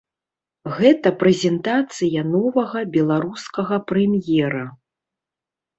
Гэта прэзентацыя новага беларускага прэм'ера.